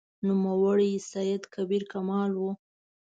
نوموړی سید کبیر کمال و.